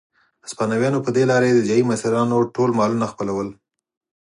هسپانویانو په دې لارې د ځايي مشرانو ټول مالونه خپلول.